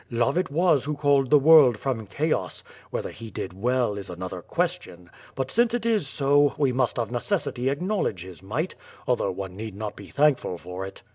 Love it was who called the world from chaos. Whether he did well, is another question, but since it is so, we must of necessity acknowledge his might, although one need not be thankful for it."